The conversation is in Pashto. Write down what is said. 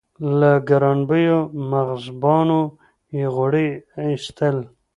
له ګرانبیو مغزبابو یې غوړي اېستل.